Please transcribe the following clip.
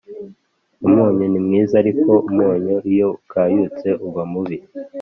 Umunyu ni mwiza ariko umunyu iyo ukayutse uba mubi